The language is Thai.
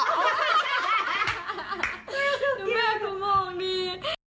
ดูแม่คุณมองดี